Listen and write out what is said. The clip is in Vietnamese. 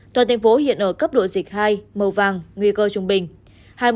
toàn thành phố hiện ở cấp độ dịch hai màu vàng nguy cơ trung bình